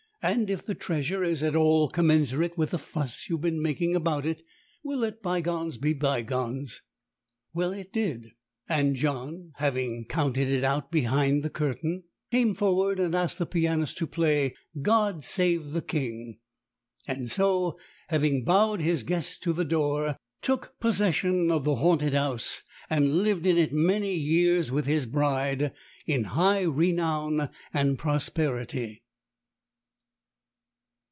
And if the treasure is at all commensurate with the fuss you have been making about it, we'll let bygones be bygones." Well, it did; and John, having counted it out behind the curtain, came forward and asked the pianist to play "God save the King"; and so, having bowed his guests to the door, took possession of the haunted house and lived in it many years with his bride, in high renown and prosperity.